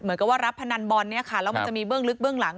เหมือนกับว่ารับพนันบอลเนี่ยค่ะแล้วมันจะมีเบื้องลึกเบื้องหลัง